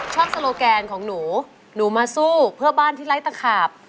โซโลแกนของหนูหนูมาสู้เพื่อบ้านที่ไร้ตะขาบ